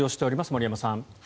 森山さん。